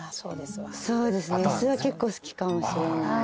そうですね椅子は結構好きかもしれないですね。